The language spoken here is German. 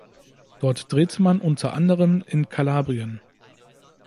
Dort drehte man unter anderem in Kalabrien.